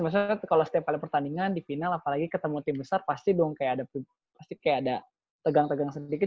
maksudnya kalau setiap kali pertandingan di final apalagi ketemu tim besar pasti dong kayak pasti kayak ada tegang tegang sedikit